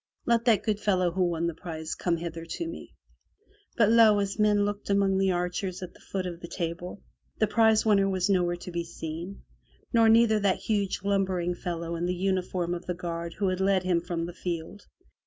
Let that good fellow who won the prize come hither to me/' But lo! as men looked among the archers at the foot of the table, the prize winner was nowhere to be seen, nor neither that huge lumbering fellow in the uniform of the guard who had led him from the field.